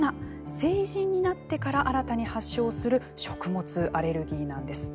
成人になってから新たに発症する食物アレルギーなんです。